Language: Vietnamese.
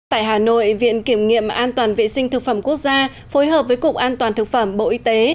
tại hà nội viện kiểm nghiệm an toàn vệ sinh thực phẩm quốc gia phối hợp với cục an toàn thực phẩm bộ y tế